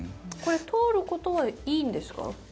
これ通ることはいいんですか？